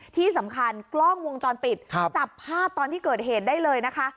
ที่สำคัญกล้องวงจรปิดจับภาพตอนที่เกิดเหตุได้เลยนะคะ